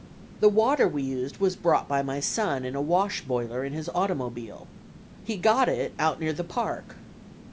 The water we used was brought by my son in a wash boiler in his automobile. He got it out near the Park.